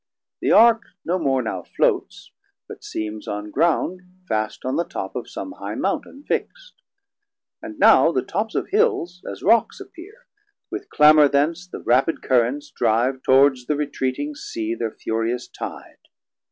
The Ark no more now flotes, but seems on ground Fast on the top of som high mountain fixt. And now the tops of Hills as Rocks appeer; With clamor thence the rapid Currents drive Towards the retreating Sea thir furious tyde.